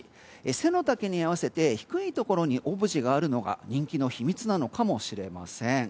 背丈に合わせて低いところにオブジェがあるのが人気の秘密なのかもしれません。